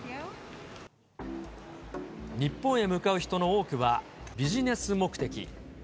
日本へ向かう人の多くはビジネス目的。